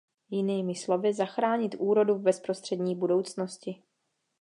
Jinými slovy, zachránit úrodu v bezprostřední budoucnosti.